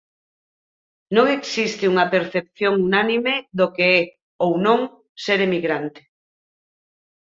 Non existe unha percepción unánime do que é, ou non, ser emigrante.